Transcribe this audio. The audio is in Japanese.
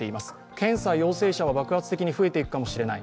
検査・陽性者が爆発的に増えていくかもしれない。